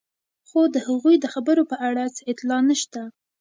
خو د هغوی د خبرو په اړه څه اطلاع نشته.